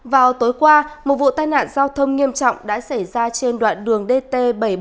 vào tối qua một vụ tai nạn giao thông nghiêm trọng đã xảy ra trên đoạn đường dt bảy trăm bốn mươi